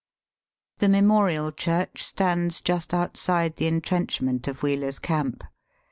The Memorial Church stands just outside the entrenchment of Wheeler's camp.